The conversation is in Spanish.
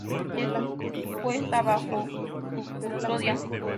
Ella es puesta bajo su custodia.